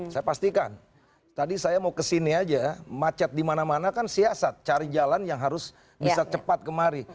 saya pastikan tadi saya mau kesini aja macet dimana mana kan siasat cari jalan yang harus bisa cepat kemari